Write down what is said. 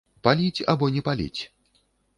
Паліць або не паліць?